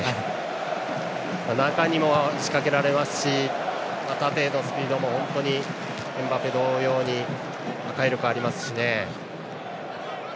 中にも仕掛けられますし縦へのスピードも本当にエムバペ同様に破壊力がありますし。